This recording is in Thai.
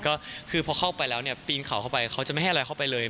ก็คือพอเข้าไปแล้วเนี่ยปีนเขาเข้าไปเขาจะไม่ให้อะไรเข้าไปเลย